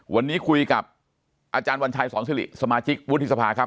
วันนี้คุยกับอาจารย์วัญชัยสอนสิริสมาชิกวุฒิสภาครับ